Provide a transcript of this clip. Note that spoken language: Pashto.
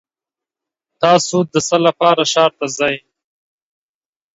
تاسو د څه لپاره ښار ته ځئ؟